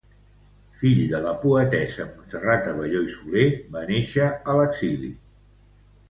Fill de la poetessa Montserrat Abelló i Soler, va néixer a l'exili.